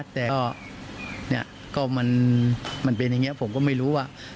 แต่ก็มันเป็นอย่างนี้ผมก็ไม่รู้ว่า